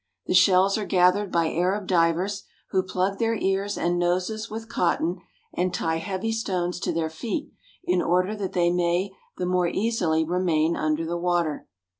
The shells are gathered by Arab divers, who plug their ears and noses with cotton and tie heavy stones to their feet in order that they may the more easily remain under the water.